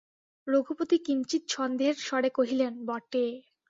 রঘুপতি কিঞ্চিৎ সন্দেহের স্বরে কহিলেন, বটে!